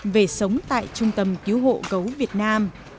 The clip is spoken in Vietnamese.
về sống tại trung tâm cứu hộ gấu việt nam